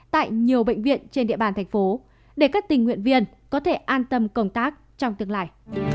tại nhiều bệnh viện trên địa bàn thành phố để các tình nguyện viên có thể an tâm công tác trong tương lai